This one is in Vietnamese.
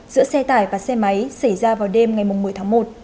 giữa xe tải và xe máy xảy ra vào đêm ngày một mươi tháng một